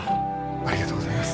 ありがとうございます。